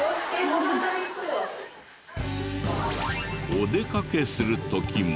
お出かけする時も。